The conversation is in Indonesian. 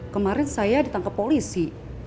kemarin saya ditangkep polisi